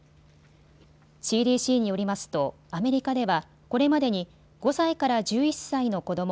ＣＤＣによりますとアメリカではこれまでに５歳から１１歳の子ども